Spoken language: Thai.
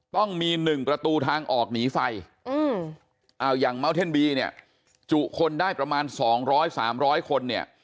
ต้องมี๑ประตูทางออกหนีไฟอย่างเมาเท่นบีเนี่ยจุคนได้ประมาณ๒๐๐๓๐๐คนเนี่ย